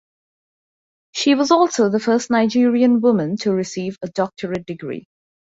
She was also the first Nigerian woman to receive a doctorate degree.